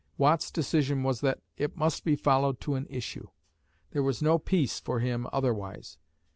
Watt's decision was that "it must be followed to an issue." There was no peace for him otherwise.